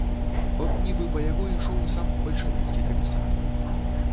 От, нібы па яго ішоў сам бальшавіцкі камісар.